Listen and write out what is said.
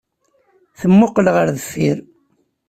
Temmuqqel ɣer deffir.